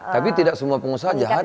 tapi tidak semua pengusaha jahat